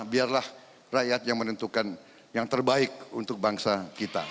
biarlah rakyat yang menentukan yang terbaik untuk bangsa kita